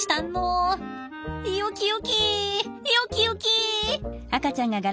よきよきよきよき！